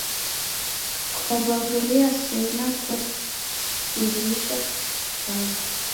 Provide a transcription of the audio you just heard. Kukaw'aw'uria sena kuasighishwa chaghu.